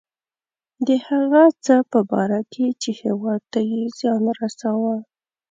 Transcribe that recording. د هغه څه په باره کې چې هیواد ته یې زیان رساوه.